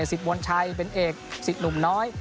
สิดบนชัยเป็นเอกสิดหนุ่มน้อย